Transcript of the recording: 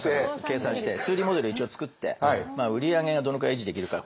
計算して数理モデルを一応作って売り上げがどのくらい維持できるか。